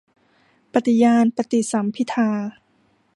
ปฏิภาณปฏิสัมภิทา